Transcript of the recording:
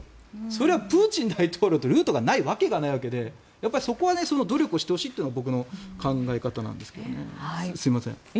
それはプーチン大統領ルートがないわけがないわけでそこは努力してほしいというのが僕の考え方なんですけどねすいません。